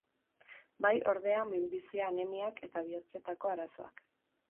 Bai, ordea, minbizia, anemiak eta bihotzetako arazoak.